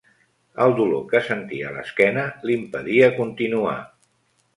El dolor que sentia a l'esquena li impedia continuar.